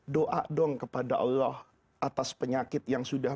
doa dong kepada allah atas penyakit yang sudah